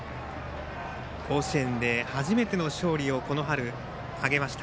甲子園で初めての勝利をこの春、挙げました。